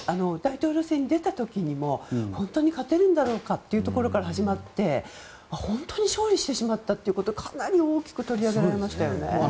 大統領選に出た時も本当に勝てるのかというところから始まって本当に勝利してしまったということでかなり大きく取り上げられましたよね。